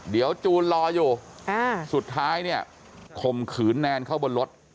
เดี๋ยวจูนรออยู่สุดท้ายเนี่ยข่มขืนแนนเข้าบนรถ